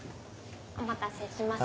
お待たせしました。